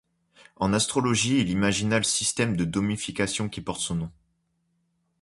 En astrologie, il imagina le système de domification qui porte son nom.